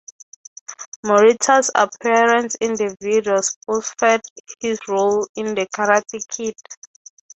Morita's appearance in the video spoofed his role in "The Karate Kid".